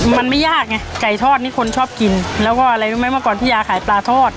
มันไม่ยากไงไก่ทอดนี่คนชอบกินแล้วก็อะไรรู้ไหมเมื่อก่อนพี่ยาขายปลาทอด